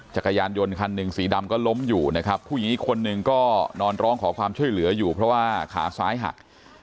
จักรยานยนต์คันหนึ่งสีดำก็ล้มอยู่นะครับผู้หญิงอีกคนนึงก็นอนร้องขอความช่วยเหลืออยู่เพราะว่าขาซ้ายหัก